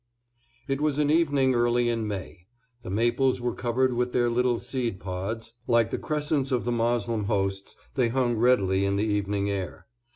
IT was an evening early in May. The maples were covered with their little seed pods, like the crescents of the Moslem hosts they hung redly in the evening air.